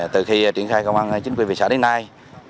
từ khi triển khai công an chính quyền xã đến nay